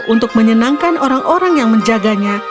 untuk menyenangkan orang orang yang menjaganya